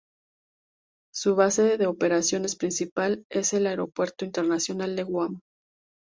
Su base de operaciones principal es el aeropuerto internacional de Guam.